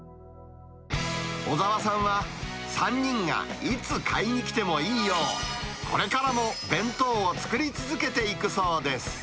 小澤さんは、３人がいつ買いに来てもいいよう、これからも弁当を作り続けていくそうです。